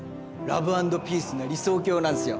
ラブアンドピースな理想郷なんすよ。